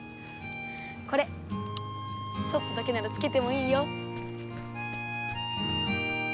これちょっとだけならつけてもいいよ。